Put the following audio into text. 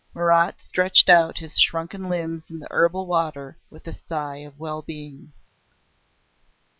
Marat stretched out his shrunken limbs in the herbal water with a sigh of well being.